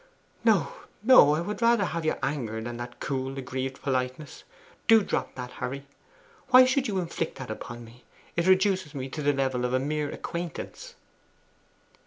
'No, no! I would rather have your anger than that cool aggrieved politeness. Do drop that, Harry! Why should you inflict that upon me? It reduces me to the level of a mere acquaintance.